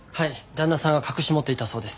旦那さんが隠し持っていたそうです。